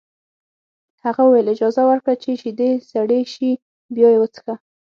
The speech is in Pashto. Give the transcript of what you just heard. هغه وویل اجازه ورکړه چې شیدې سړې شي بیا یې وڅښه